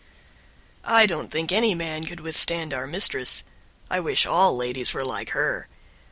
I don't think any man could withstand our mistress. I wish all ladies were like her.